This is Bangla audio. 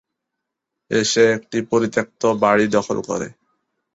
এসে একটি পরিত্যক্ত বাড়ি দখল করে।